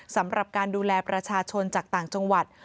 สำหรับการดูแลประชาชนจากต่างจังหวัด